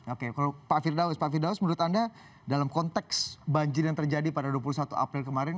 oke kalau pak firdaus pak firdaus menurut anda dalam konteks banjir yang terjadi pada dua puluh satu april kemarin